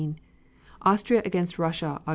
Austria against Russia, Aug.